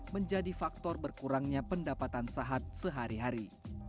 menjadi faktor berkurangnya pendapatan sehat sehari hari